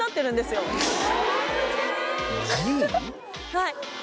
はい。